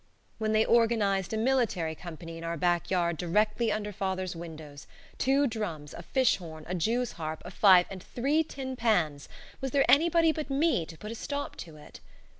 When they organized a military company in our back yard directly under father's windows two drums, a fish horn, a jews harp, a fife, and three tin pans was there anybody but me to put a stop to it?